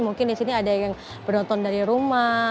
mungkin di sini ada yang menonton dari rumah